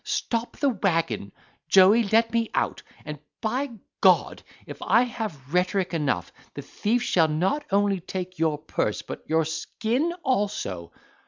Stop the waggon, Joey—let me out, and by G—d, if I have rhetoric enough, the thief shall not only take your purse, but your skin also."